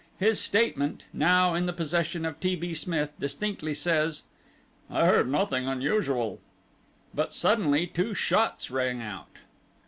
His statement, now in the possession of T. B. Smith, distinctly says, "I heard nothing unusual." But suddenly two shots rang out.